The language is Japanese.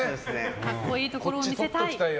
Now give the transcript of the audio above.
格好いいところを見せたい。